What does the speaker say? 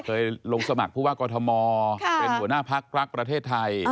เคยลงสมัครผู้ว่ากอทมเป็นหัวหน้าพักรักประเทศไทย